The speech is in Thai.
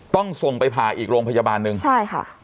ต้องส่งไปผ่าอีกโรงพยาบาลหนึ่งใช่ค่ะ